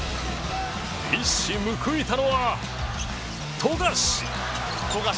一矢報いたのは、富樫！